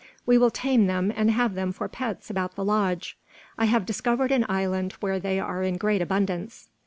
We will tame them and have them for pets about the lodge. I have discovered an island where they are in great abundance."